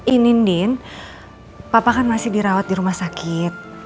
ini ndin papa kan masih dirawat di rumah sakit